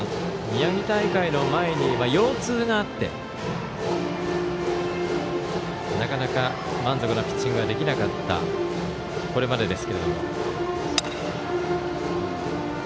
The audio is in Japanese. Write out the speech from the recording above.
宮城大会の前に腰痛があってなかなか満足なピッチングができなかったこれまでですけれども。